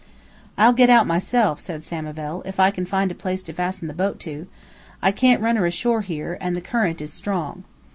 "I'll get out myself," said Samivel, "if I can find a place to fasten the boat to. I can't run her ashore here, and the current is strong."